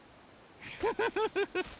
フフフフフ！